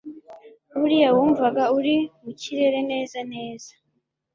buriya wumvaga uri mukirere neza neza